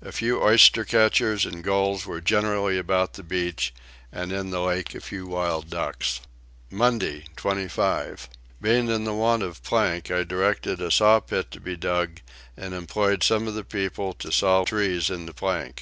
A few oyster catchers and gulls were generally about the beach, and in the lake a few wild ducks. Monday 25. Being in want of plank I directed a saw pit to be dug and employed some of the people to saw trees into plank.